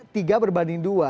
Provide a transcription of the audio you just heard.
tiga berbanding dua